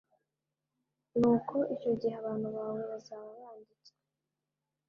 nuko icyo gihe abantu bawe bazaba banditswe